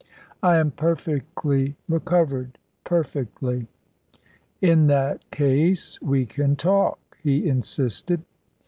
"I am perfectly recovered perfectly." "In that case we can talk," he insisted.